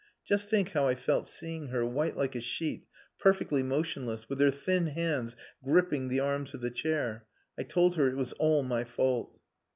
Just think how I felt seeing her, white like a sheet, perfectly motionless, with her thin hands gripping the arms of the chair. I told her it was all my fault."